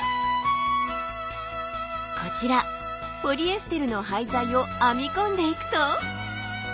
こちらポリエステルの廃材を編み込んでいくと。